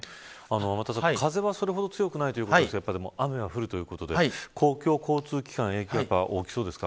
天達さん風はそれほど強くないということですが雨が降るということで公共交通機関への影響は大きそうですか。